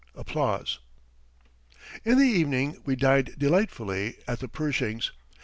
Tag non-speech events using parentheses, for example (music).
(applause) In the evening we dined delightfully at the Pershings'.